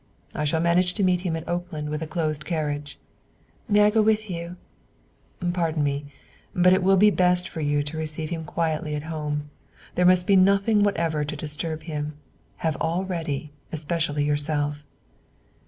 "I shall manage to meet him at Oakland with a closed carriage." "May I go with you?" "Pardon me; but it will be best for you to receive him quietly at home. There must be nothing whatever to disturb him. Have all ready, especially yourself."